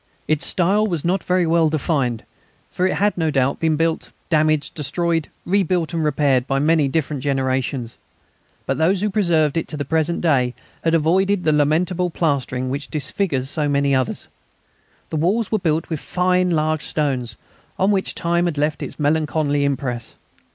Its style was not very well defined, for it had no doubt been built, damaged, destroyed, rebuilt and repaired by many different generations. But those who preserved it to the present day had avoided the lamentable plastering which disfigures so many others. The walls were built with fine large stones, on which time had left its melancholy impress.